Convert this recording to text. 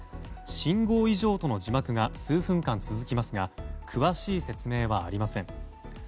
信号異常との字幕が数分間続きますが詳しい説明はありません。